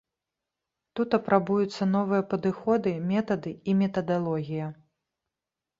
Тут апрабуюцца новыя падыходы, метады і метадалогія.